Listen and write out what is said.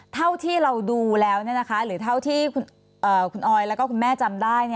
เท่าที่เราดูแล้วหรือเท่าที่คุณออยแล้วก็คุณแม่จำได้